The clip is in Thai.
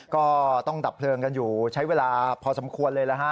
ก็ต้องดับเพลิงกันอยู่ใช้เวลาพอสมควรเลยนะฮะ